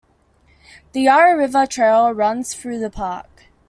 The Yarra River Trail runs through the park.